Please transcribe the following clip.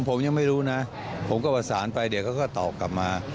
ผมยังไม่รู้นะผมก็ประสานไปเดี๋ยวเขาก็ตอบกลับมา